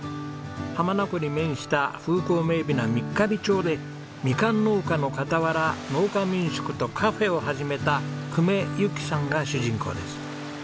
浜名湖に面した風光明媚な三ヶ日町でみかん農家の傍ら農家民宿とカフェを始めた久米ゆきさんが主人公です。